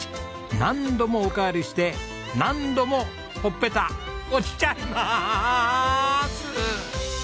何度もおかわりして何度もほっぺた落ちちゃいます！